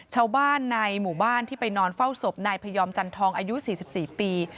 ชาวบ้านในหมู่บ้านที่ไปนอนเฝ้าศพนายพยอมจันทองอายุ๔๔ปี